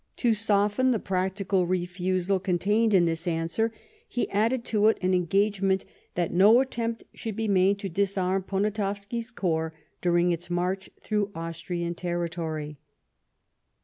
To soften the practical refusal contained in this answer, he added to it an engagement that no attempt should be made to disarm Poniatowski's corps during its march through Austrian territory.